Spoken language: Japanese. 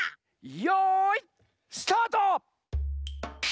よいスタート！